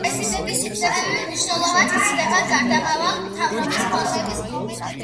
პრეზიდენტის უფლებები მნიშვნელოვნად იზრდება გარდამავალი მთავრობის ფორმირების მომენტისათვის.